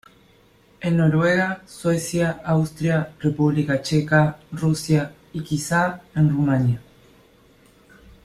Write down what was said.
En Noruega, Suecia, Austria, República Checa, Rusia y quizá en Rumanía.